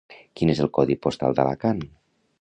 Quin és el codi postal d'Alacant?